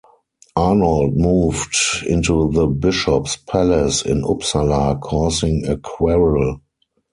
Arnold moved into the bishop's palace in Uppsala causing a quarrel.